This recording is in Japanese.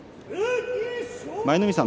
舞の海さん